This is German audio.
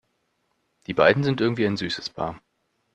Die beiden sind irgendwie ein süßes Paar.